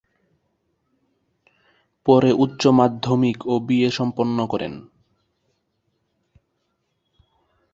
পরে উচ্চ মাধ্যমিক ও বিএ সম্পন্ন করেন।